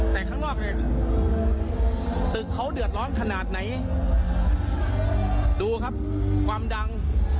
แต่ข้างนอกเนี่ยตึกเขาเดือดร้อนขนาดไหนดูครับความดัง